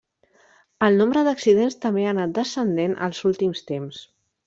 El nombre d'accidents també ha anat descendent als últims temps.